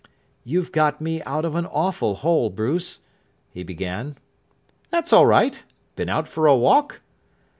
"You've got me out of an awful hole, Bruce," he began. "That's all right. Been out for a walk?"